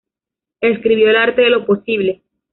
Escribió "El Arte de lo posible.